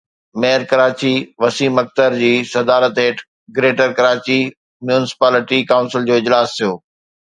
mayor Karachi Waseem Akhtar جي صدارت هيٺ گريٽر ڪراچي ميونسپالٽي ڪائونسل جو اجلاس ٿيو